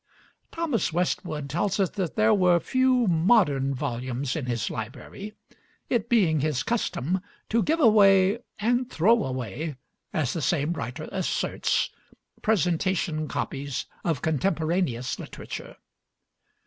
Thomas Westwood tells us that there were few modern volumes in his library, it being his custom to give away and throw away (as the same writer asserts) presentation copies of contemporaneous literature.